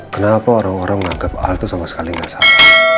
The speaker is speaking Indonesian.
kenapa orang orang menganggap al itu sama sekali nggak sama